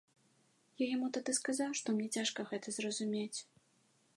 Я яму тады сказаў, што мне цяжка гэта зразумець.